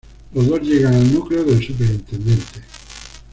Los dos llegan al núcleo del Superintendente.